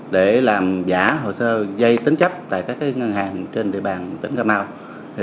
để làm giả hồ sơ dây tính chấp tại các ngân hàng trên địa bàn tỉnh cà mau